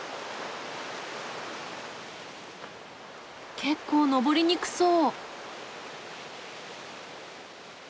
結構登りにくそう！